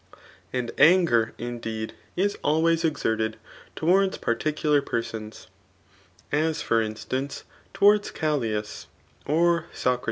And anger, indeed, is always exerted towards parti cular persons, as for instanec^ towards Gallias, or So lid TH»..